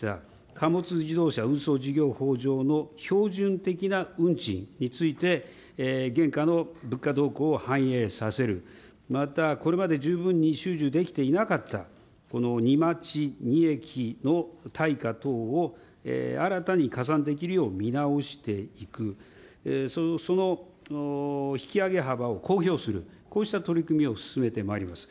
貨物自動車運送事業法上の標準的な運賃について、現下の物価動向を反映させる、またこれまで十分に収受できていなかったこの荷待ち・荷役の対価等を新たに加算できるよう見直していく、その引き上げ幅を公表する、こうした取り組みを進めてまいります。